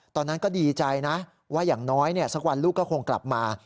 ตอนนั้นก็ดีใจนะว่าอย่างน้อยสักวันลูกก็คงกลับมา